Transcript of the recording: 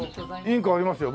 インコありますよ